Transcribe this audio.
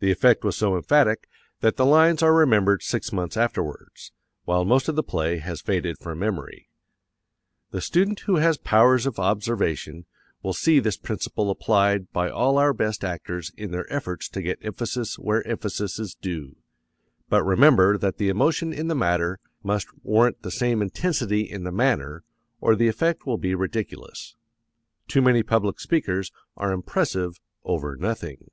The effect was so emphatic that the lines are remembered six months afterwards, while most of the play has faded from memory. The student who has powers of observation will see this principle applied by all our best actors in their efforts to get emphasis where emphasis is due. But remember that the emotion in the matter must warrant the intensity in the manner, or the effect will be ridiculous. Too many public speakers are impressive over nothing.